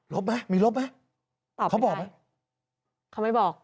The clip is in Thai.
ลบมั้ยมีลบมั้ยเขาบอกมั้ยตอบไม่ได้เขาไม่บอก